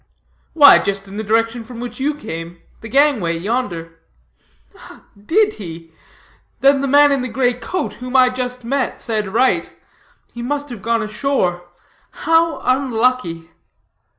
"Why just in the direction from which you came, the gangway yonder." "Did he? Then the man in the gray coat, whom I just met, said right: he must have gone ashore. How unlucky!"